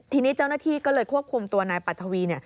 ทีนี้เจ้าหน้าที่ก็เลยควบคุมตัวนายปัทวี